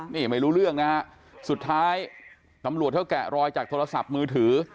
นี่ไม่รู้เรื่องนะฮะสุดท้ายตำรวจเขาแกะรอยจากโทรศัพท์มือถือ